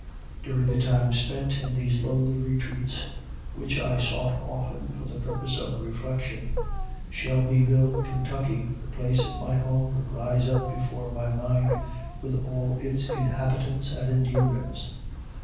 During the time spent in these lonely retreats, which I sought often for the purpose of reflection, Shelbyville, Kentucky, the place of my home, would rise up before my mind with all its inhabitants and endearments.